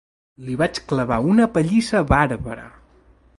Li vaig clavar una pallissa bàrbara.